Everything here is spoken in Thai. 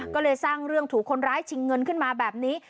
ก็เลยสร้างเรื่องถูกคนร้ายชิงเงินขึ้นมาแบบนี้